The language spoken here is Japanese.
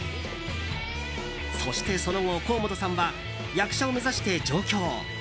そして、その後甲本さんは役者を目指して上京。